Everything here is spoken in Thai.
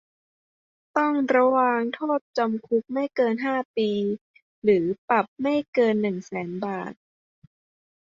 ต้องระวางโทษจำคุกไม่เกินห้าปี หรือปรับไม่เกินหนึ่งแสนบาท